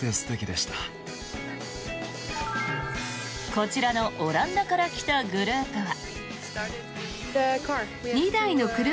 こちらのオランダから来たグループは。